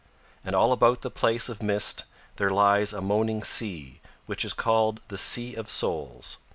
And all about the place of mist there lies a moaning sea which is called the Sea of Souls.